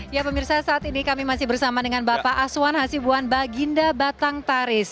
ya pemirsa saat ini kami masih bersama dengan bapak aswan hasibuan baginda batang taris